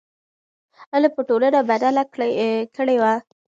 علم به ټولنه بدله کړې وي.